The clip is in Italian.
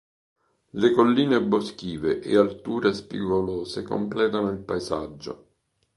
Le colline boschive e alture spigolose completano il paesaggio.